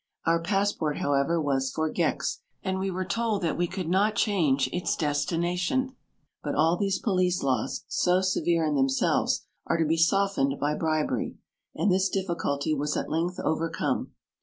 Our pass port, however, was for Gex, and we were told that we could not change its destination ; but all these police laws, so severe in themselves, are to be softened by bribery, and this diffi culty was at length overcome.